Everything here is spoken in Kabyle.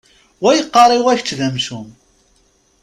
Wa yeqqar i wa kečč d amcum.